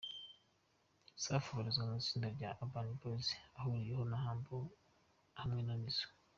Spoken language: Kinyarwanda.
Safi abarizwa mu itsinda rya Urban Boyz ahuriyeho na Humble hamwe na Nizzo.